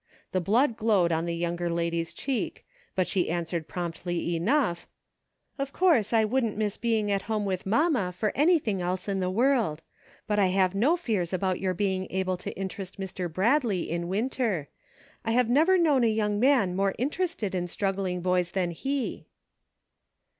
The blood glowed on the younger lady's cheek, but she answered promptly enough :" Of course I wouldn't miss being at home with mamma for anything else in the world ; but I have no fears about your being able to interest Mr. Bradley in Winter ; I have never known a young man more interested in struggling boys than he."